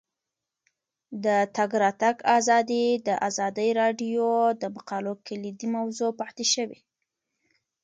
د تګ راتګ ازادي د ازادي راډیو د مقالو کلیدي موضوع پاتې شوی.